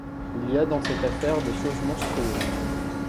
Il y a dans cette affaire des choses monstrueuses…